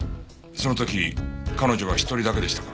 その時彼女は１人だけでしたか？